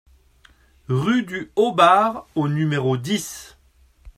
Rue du Haut-Barr au numéro dix